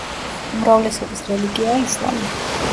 უმრავლესობის რელიგიაა ისლამი.